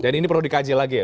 dan ini perlu dikaji lagi ya